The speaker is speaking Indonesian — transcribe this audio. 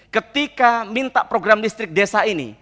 ketika minta program listrik desa ini